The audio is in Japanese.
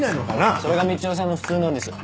それがみちおさんの普通なんです。